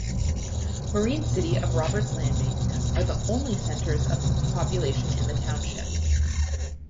Marine City of Roberts' Landing are the only centers of population in the township.